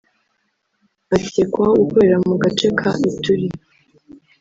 akekwaho gukorera mu gace ka Ituri